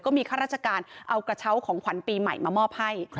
มีข้าราชการเอากระเช้าของขวัญปีใหม่มามอบให้